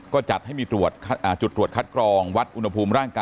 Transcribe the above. ก็จัดให้มีตรวจจุดตรวจคัดกรองวัดอุณหภูมิร่างกาย